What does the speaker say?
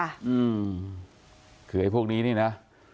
อืมคือไอ้พวกนี้นี่นะ